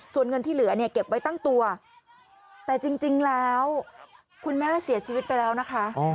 ส่วนเงินที่เหลือเนี่ยเก็บไว้ตั้งตัวแต่จริงแล้วคุณแม่เสียชีวิตไปแล้วนะคะ